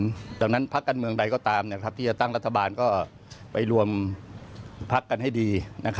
ดังนั้นพักการเมืองใดก็ตามที่จะตั้งรัฐบาลก็ไปรวมพักกันให้ดี